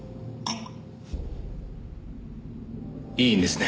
いいんですね？